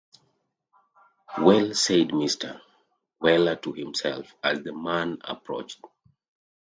‘Well!’ said Mr. Weller to himself, as the man approached.